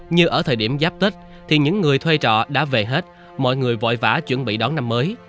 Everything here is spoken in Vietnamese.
như ở thời điểm giáp tết thì những người thuê trọ đã về hết mọi người vội vã chuẩn bị đón năm mới